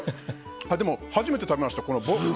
でも、初めて食べました。